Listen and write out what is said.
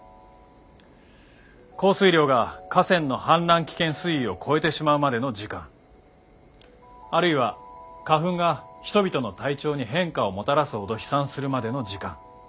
降水量が河川の氾濫危険水位を超えてしまうまでの時間あるいは花粉が人々の体調に変化をもたらすほど飛散するまでの時間。